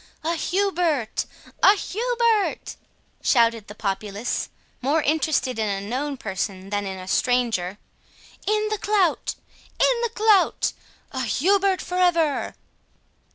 "A Hubert! a Hubert!" shouted the populace, more interested in a known person than in a stranger. "In the clout!—in the clout!—a Hubert for ever!"